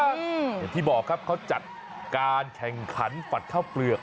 อย่างที่บอกครับเขาจัดการแข่งขันฝัดข้าวเปลือก